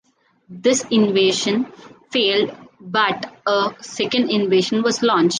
This invasion failed, but a second invasion was launched.